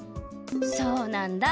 そうなんだ。